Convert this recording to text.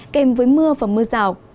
kèm với mưa và mưa rào